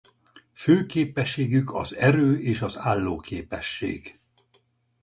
Fő képességük az Erő és az Állóképesség.